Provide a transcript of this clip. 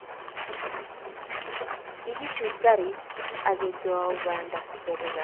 Kikichut garit ak ketou banda kebe gaa